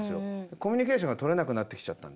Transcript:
コミュニケーションがとれなくなってきちゃったんですよね。